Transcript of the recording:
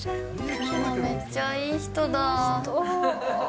めっちゃいい人だ。